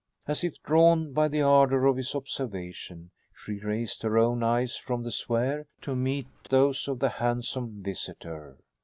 As if drawn by the ardor of his observation, she raised her own eyes from the sphere to meet those of the handsome visitor.